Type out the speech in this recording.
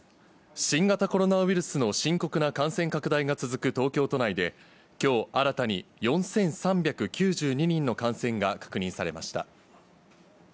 新型コロナウイルスの深刻な感染拡大が続く東京都内で、きょう新たに４３９２人の感染が確認されました。